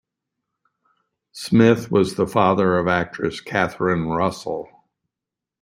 Smith was the father of actress Catherine Russell.